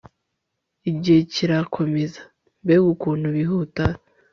igihe kirakomeza; mbega ukuntu bihuta